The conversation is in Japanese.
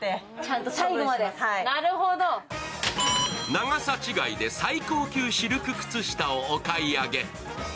長さ違いで最高級シルク靴下をお買い上げ。